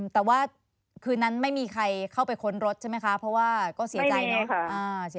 แต่ว่าคืนนั้นไม่มีใครเข้าไปค้นรถใช่ไหมคะเพราะว่าก็เสียใจเนอะ